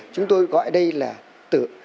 chúng tôi gọi đây là tử